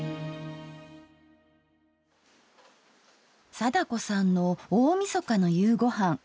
貞子さんの大みそかの夕ごはん。